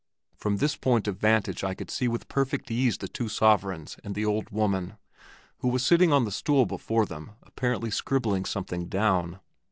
From this point of vantage I could see with perfect ease the two sovereigns and the old woman, who was sitting on the stool before them apparently scribbling something down.